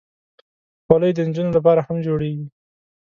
خولۍ د نجونو لپاره هم جوړېږي.